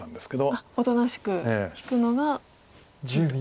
おとなしく引くのがいいと。